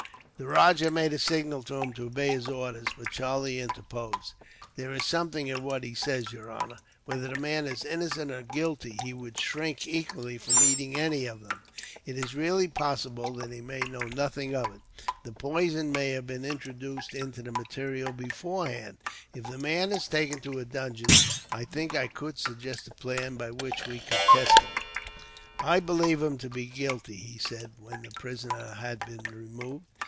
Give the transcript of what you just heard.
The rajah made a signal to him to obey his orders, but Charlie interposed. "There is something in what he says, your highness. Whether the man is innocent or guilty, he would shrink equally from eating any of them. It is really possible that he may know nothing of it. The poison may have been introduced into the materials beforehand. If the man is taken to a dungeon, I think I could suggest a plan by which we could test him. "I believe him to be guilty," he said, when the prisoner had been removed.